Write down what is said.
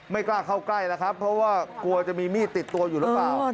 ไม่กล้าเข้าใกล้แล้วครับเพราะว่ากลัวจะมีมีดติดตัวอยู่หรือเปล่า